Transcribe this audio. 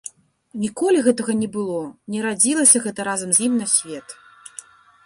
Ніколі гэтага не было, не радзілася гэта разам з ім на свет!